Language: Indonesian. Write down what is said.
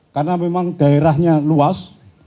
karena memang daerahnya luas